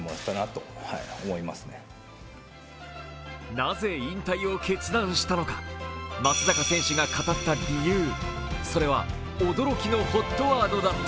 なぜ引退を決断したのか、松坂選手が語った理由、それは驚きのＨＯＴワードだった。